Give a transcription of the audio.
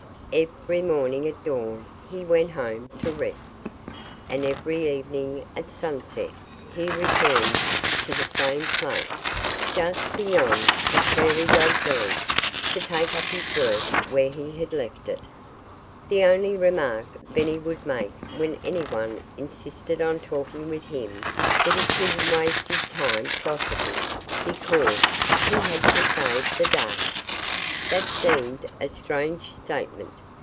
Every morning at dawn he went home to rest. And every evening at sunset he returned to the same place, just beyond the prairie dog village, to take up his work where he had left it. The only remark Benny would make when anyone insisted on talking with him was that he couldn't waste his time gossiping, because he had to save the day. That seemed a strange statement.